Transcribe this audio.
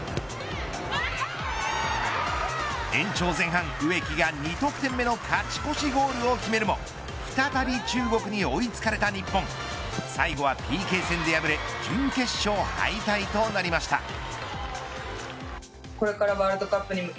延長前半、植木が２得点目の勝ち越しゴールを決めるも再び中国に追いつかれた日本最後はＰＫ戦で敗れ準決勝敗退となりました。